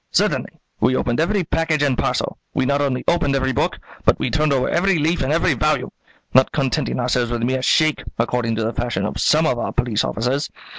"Certainly; we opened every package and parcel; we not only opened every book, but we turned over every leaf in each volume, not contenting ourselves with a mere shake, according to the fashion of some of our police officers.